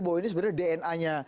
bawini sebenarnya dlmnya